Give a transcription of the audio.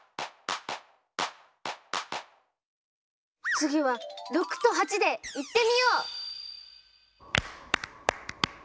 次は６と８でいってみよう！